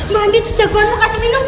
mbak andi jagoanmu kasih minum